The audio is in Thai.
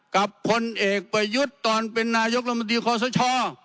พลเอกประยุทธ์ตอนเป็นนายกรัฐมนตรีคอสช